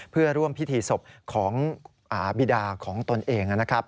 เพื่อร่วมพิธีศพของบิดาของตนเองนะครับ